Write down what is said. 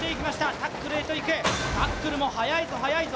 タックルへといく、タックルもはやいぞ、はやいぞ。